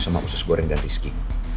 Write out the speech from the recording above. sama usus goreng dan rizki